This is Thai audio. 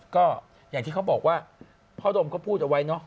ก็อย่างที่เขาบอกว่าพ่อดมก็พูดเอาไว้เนอะ